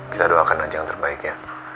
kita doakan aja yang terbaik ya